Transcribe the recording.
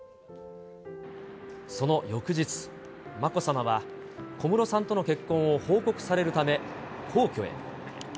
その翌日、まこさまは小室さんとの結婚を報告されるため、皇居へ。